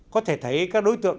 có thể thấy các đối tượng